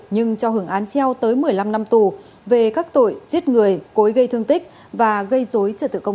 nhưng cho hưởng án treo tới một mươi năm năm tù về các tội giết người cối gây thương tích và gây dối cho tựa công cộng